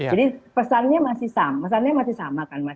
jadi pesannya masih sama pesannya masih sama kan mas